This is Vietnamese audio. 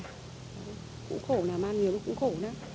cũng khổ nè mang nhiều cũng khổ nè